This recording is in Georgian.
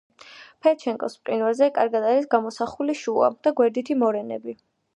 ფედჩენკოს მყინვარზე კარგად არის გამოსახული შუა და გვერდითი მორენები.